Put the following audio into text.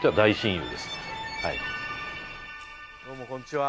どうもこんにちは。